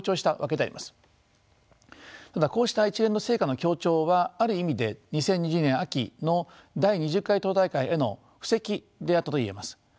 ただこうした一連の成果の強調はある意味で２０２２年秋の第２０回党大会への布石であったといえます。